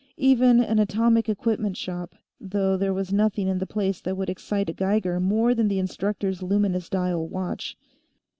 Even an atomic equipment shop, though there was nothing in the place that would excite a Geiger more than the instructor's luminous dial watch.